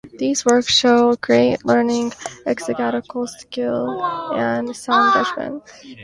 These works show great learning, exegetical skill and sound judgment.